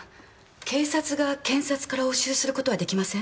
警察が検察から押収する事はできません？